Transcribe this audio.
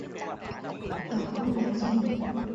Thảo không nói gì